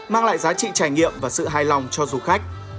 mang lại giá trị trải nghiệm và sự hài lòng cho du khách